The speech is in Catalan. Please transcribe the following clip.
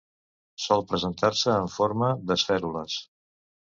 Sol presentar-se en forma d'esfèrules.